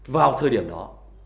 vào thời điểm đó